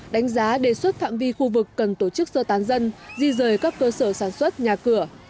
đánh giá đề xuất phạm vi khu vực cần tổ chức sơ tán dân di rời các cơ sở sản xuất nhà cửa